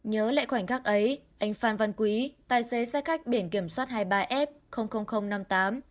nhớ lại khoảnh khắc ấy anh phan văn quý tài xế xe khách biển kiểm soát hai mươi ba f năm mươi tám